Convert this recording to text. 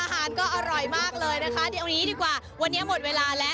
อาหารก็อร่อยมากเลยนะคะเดี๋ยวนี้ดีกว่าวันนี้หมดเวลาแล้ว